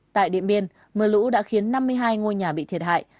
tại điện biên mưa lũ đã khiến năm mươi hai ngôi nhà bị thiệt hại